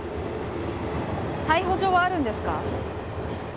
逮捕状はあるんですか？